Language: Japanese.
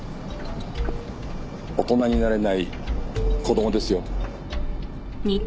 大人になれない子どもですよ。